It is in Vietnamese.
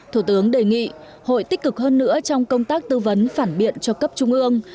thủ tướng đề nghị hội tích cực hơn nữa trong công tác tư vấn phản biện cho cấp trung ương